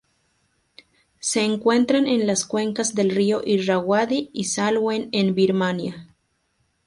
Se encuentran en las cuencas del río Irrawaddy y Salween en Birmania.